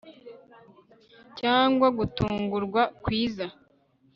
cyangwa gutungurwa kwiza